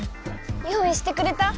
用いしてくれた？